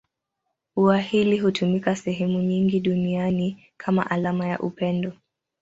Ua hili hutumika sehemu nyingi duniani kama alama ya upendo.